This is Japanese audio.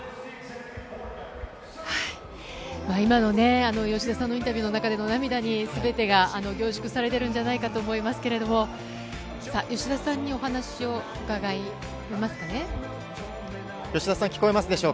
今の吉田さんのインタビューの中での涙にすべてが凝縮されてるんじゃないかと思いますけれども、吉田さん、聞こえますでしょ